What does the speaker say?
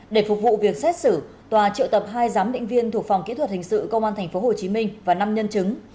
để phục vụ việc xét xử tòa triệu tập hai giám định viên thuộc phòng kỹ thuật hình sự công an tp hcm và năm nhân chứng